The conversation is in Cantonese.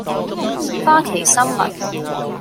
花旗參蜜